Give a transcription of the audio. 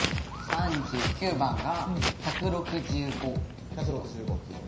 ３９番が１６５キロ。